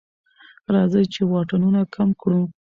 راځئ چې واټنونه کم کړو.